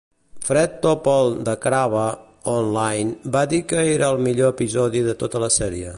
Fred Topel de Crave Online va dir quer era el millor episodi de tota la sèrie.